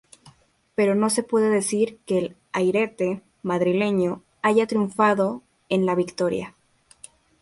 Pero no se puede decir que el ariete madrileño haya triunfado en La Victoria.